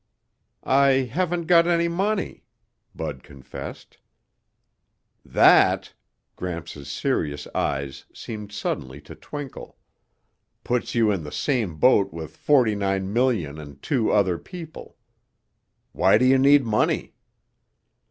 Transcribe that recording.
"I haven't got any money," Bud confessed. "That," Gramps' serious eyes seemed suddenly to twinkle, "puts you in the same boat with forty nine million and two other people. Why do you need money?"